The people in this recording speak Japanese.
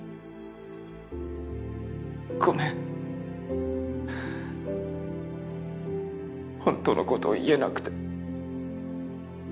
ごめんほんとのことを言えなくて。